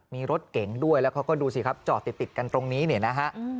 มีรถเก๋งด้วยแล้วเขาก็ดูสิครับจอดติดกันตรงนี้เนี่ยนะฮะ